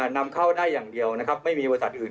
นำเข้าได้อย่างเดียวนะครับไม่มีบริษัทอื่น